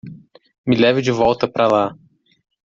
Me leve de volta para lá.